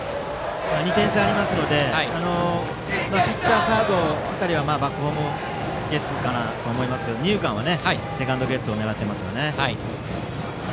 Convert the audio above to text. ２点差ありますのでピッチャー、サード辺りはバックホームゲッツーかなとは思いますが二遊間はセカンドゲッツーを狙っていますよね。